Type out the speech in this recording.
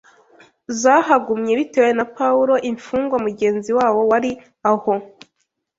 zahagumye bitewe na Pawulo imfungwa mugenzi wabo wari aho